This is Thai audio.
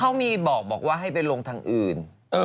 เขามีบอกว่าให้ไปลงทางอื่น